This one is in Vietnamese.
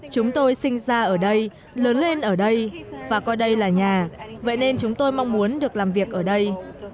chúng tôi sinh ra ở đây lớn lên ở đây và coi đây là nhà vậy nên chúng tôi mong muốn được làm việc ở đây